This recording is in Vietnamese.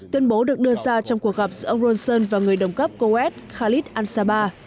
tuyên bố được đưa ra trong cuộc gặp giữa ông johnson và người đồng cấp coet khalid ansaba